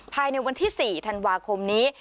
ภายในวันที่๔ธันวาคมนี้